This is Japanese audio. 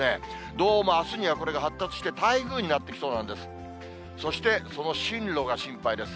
どうも、あすにはこれが発達して、台風になってきそうなんです。